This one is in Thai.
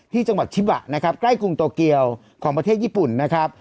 ที่จังหวัดชิบะนะครับใกล้กรุงโตเกียวของประเทศญี่ปุ่นนะครับ